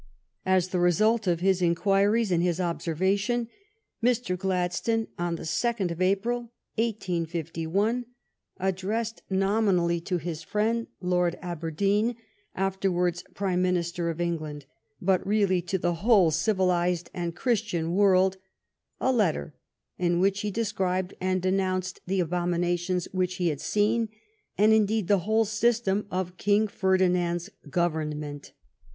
As the result of his inquiries and his observation, Mr. Gladstone, on the second of April, 1 85 1, addressed, nominally to his friend Lord Aberdeen, afterwards Prime Minister of England, but really to the whole civilized and 132 THE STORY OF GLADSTONE'S LIFE Christian world, a letter in which he described and denounced the abominations which he had seen, and, indeed, the whole system of King Ferdinand's government.